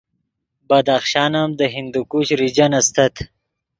بدخشان ام دے ہندوکش ریجن استت